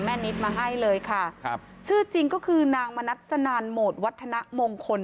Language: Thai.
แม่นิทมาให้เลยค่ะชื่อจริงก็คือนางมานัดสนานโหมดวัฒนามงคล